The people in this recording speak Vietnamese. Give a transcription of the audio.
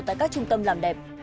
tại các trung tâm làm đẹp